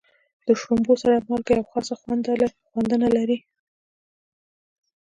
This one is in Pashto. د شړومبو سره مالګه یوه خاصه خوندونه لري.